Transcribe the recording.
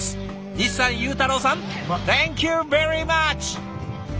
西さん裕太郎さんセンキューベリーマッチ！